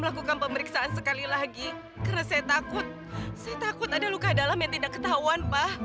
melakukan pemeriksaan sekali lagi karena saya takut saya takut ada luka dalam yang tidak ketahuan pak